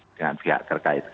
dengan pihak terkait